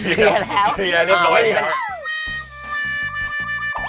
เสรียะแล้ว